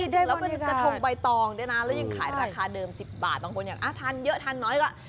เราเป็นกระทงใบตองได้นะและยังขายราคาเดิมสิบบาทคนอยากทานเยอะทานน้อยก็